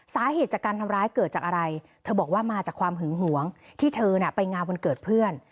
สาเหตุจากการทำร้ายเกิดจากอะไรเธอบอกว่ามาจากความหึงหวงที่เธอไปงานวันเกิดเพื่อน